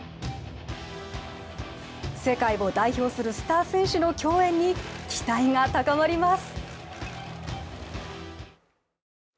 世界を代表するスター選手の競演に期待が高まります。